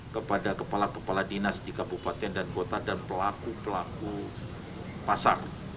kepada kepala kepala dinas di kabupaten dan kota dan pelaku pelaku pasar